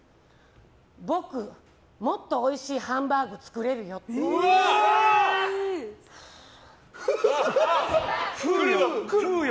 僕、もっとおいしいハンバーグ作れるよ。うわー！ふう。